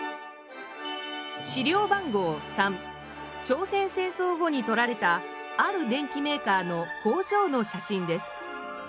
資料番号３朝鮮戦争後に撮られたある電機メーカーの工場の写真です。